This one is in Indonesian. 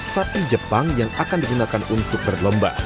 sapi jepang yang akan digunakan untuk berlomba